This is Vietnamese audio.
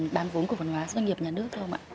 bán vốn cổ phần hóa doanh nghiệp nhà nước không ạ